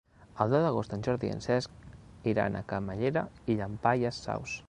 El deu d'agost en Jordi i en Cesc iran a Camallera i Llampaies Saus.